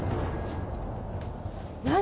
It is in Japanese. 何？